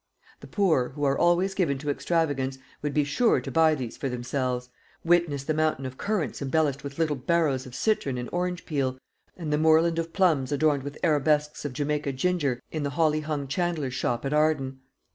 The poor, who are always given to extravagance, would be sure to buy these for themselves: witness the mountain of currants embellished with little barrows of citron and orange peel, and the moorland of plums adorned with arabesques of Jamaica ginger in the holly hung chandler's shop at Arden.